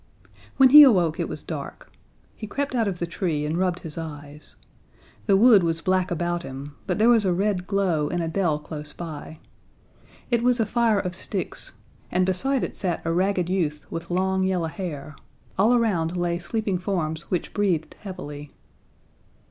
When he awoke it was dark. He crept out of the tree and rubbed his eyes. The wood was black about him, but there was a red glow in a dell close by. It was a fire of sticks, and beside it sat a ragged youth with long, yellow hair; all around lay sleeping forms which breathed heavily.